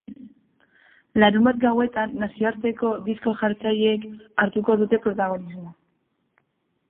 Larunbat gauetan, nazioarteko disko-jartzaileek hartuko dute protagonismoa.